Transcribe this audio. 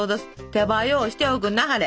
手早うしておくんなはれ。